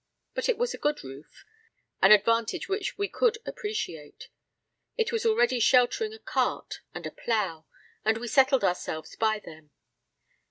But it was a good roof an advantage which we could appreciate. It was already sheltering a cart and a plow, and we settled ourselves by them.